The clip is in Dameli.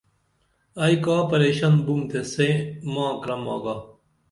ائی کا پریشن بُوم تے سئیں ماں کرم آگا